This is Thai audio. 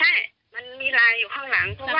ใช่มันมีลายอยู่ข้างหลังเพราะว่า